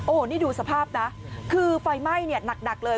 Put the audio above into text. โอ้โหนี่ดูสภาพนะคือไฟไหม้เนี่ยหนักเลย